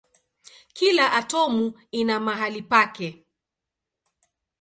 Kila atomu ina mahali pake.